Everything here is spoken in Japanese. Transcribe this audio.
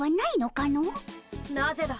・なぜだ！